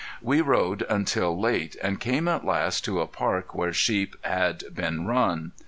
We rode until late, and came at last to a park where sheep had been run.